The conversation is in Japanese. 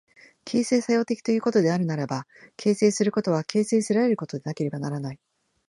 形成作用的ということであるならば、形成することは形成せられることでなければならない。